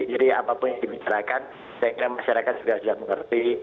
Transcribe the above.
jadi apapun yang dimicarakan saya kira masyarakat sudah juga mengerti